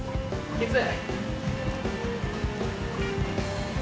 きつい。